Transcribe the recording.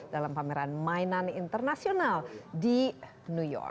dalam pameran mainan internasional di new york